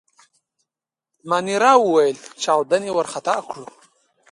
مانیرا وویل: چاودنې وارخطا کړو.